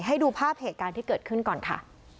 ให้ดูภาพเหตุการณ์ที่เกิดขึ้นก่อนค่ะ